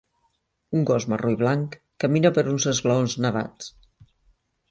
Un gos marró i blanc camina per uns esglaons nevats.